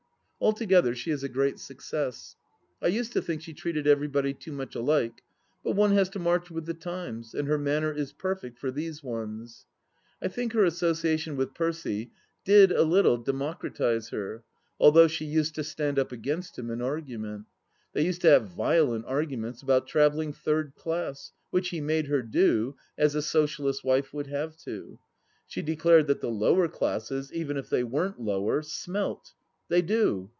Altogether, she is a great success. I used to think she treated everybody too much alike, but one has to march with the times, and her manner is perfect for these ones. I think her association with Percy did a little democratize her, although she used to stand up against him in argument. They used to have violent arguments about travelling third class, which he made her do, as a socialist's wife would have to. She declared that the lower classes, even if they weren't lower, smelt. They do.